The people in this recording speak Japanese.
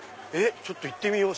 ちょっと行ってみよう！